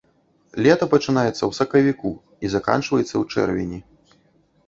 Лета пачынаецца ў сакавіку і заканчваецца ў чэрвені.